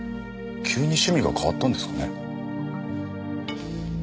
急に趣味が変わったんですかね？